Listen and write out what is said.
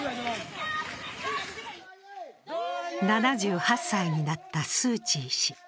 ７８歳になったスー・チー氏。